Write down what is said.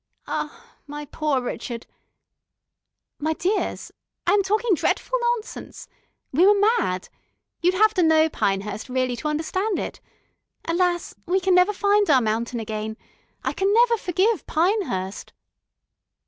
Ah, my poor Rrchud.... My dears, I am talking dretful nonsense. We were mad. You'd have to know Pinehurst, really, to understand it. Ah, we can never find our mountain again. I can never forgive Pinehurst...."